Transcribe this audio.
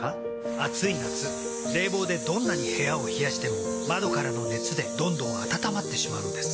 暑い夏冷房でどんなに部屋を冷やしても窓からの熱でどんどん暖まってしまうんです。